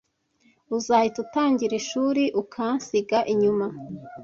Uzahita utangira ishuri ukansiga inyuma.